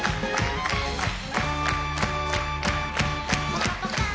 「ぽかぽか」！